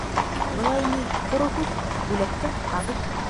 Былай ни... ҡоро һүҙ, бүләккә - ҡағыҙ.